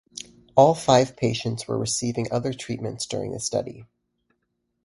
All five patients were receiving other treatments during the study.